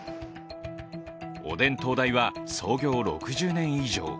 おでん東大は創業６０年以上。